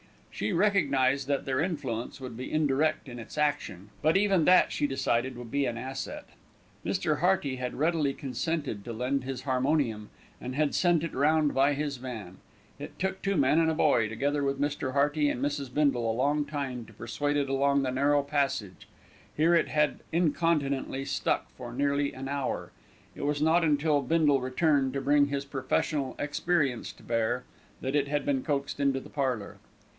She recognised that their influence would be indirect in its action; but even that, she decided, would be an asset. Mr. Hearty had readily consented to lend his harmonium, and had sent it round by his van. It took two men and a boy, together with Mr. Hearty and Mrs. Bindle, a long time to persuade it along the narrow passage. Here it had incontinently stuck for nearly an hour. It was not until Bindle returned, to bring his professional experience to bear, that it had been coaxed into the parlour.